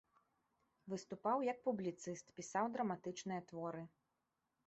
Выступаў як публіцыст, пісаў драматычныя творы.